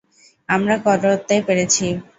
আমরা করতে পেরেছি!